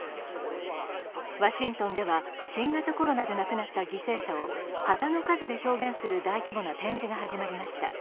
ワシントンでは、新型コロナで亡くなった犠牲者を旗の数で表現する大規模な展示が始まりました。